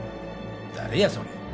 誰やそれ。